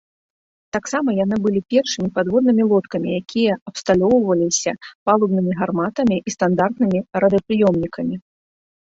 Таксама яны былі першымі падводнымі лодкамі, якія абсталёўваліся палубнымі гарматамі і стандартнымі радыёпрыёмнікамі.